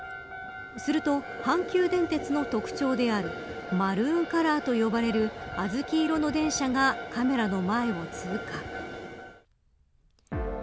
すると、阪急電鉄の特徴であるマルーンカラーと呼ばれるあずき色の電車がカメラの前を通過。